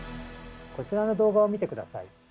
こちらの動画を見て下さい。